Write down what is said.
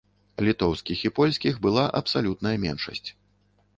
Літоўскіх і польскіх была абсалютная меншасць.